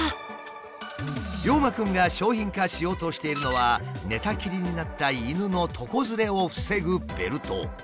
りょうまくんが商品化しようとしているのは寝たきりになった犬の床ずれを防ぐベルト。